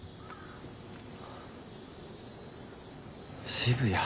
「渋谷」？